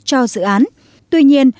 cho dự án tuy nhiên